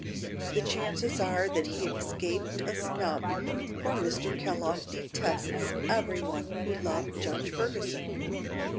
The chances are that he escaped a snub, for Mr. Kellogg detests everyone who loved Judge Ferguson."